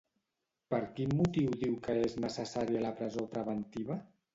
Per quin motiu diu que és necessària la presó preventiva?